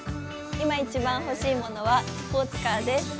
今一番欲しいものはスポーツカーです。